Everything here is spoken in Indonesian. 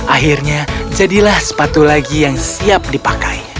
akhirnya jadilah sepatu lagi yang siap dipakai